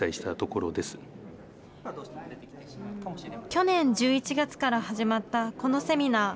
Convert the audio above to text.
去年１１月から始まったこのセミナー。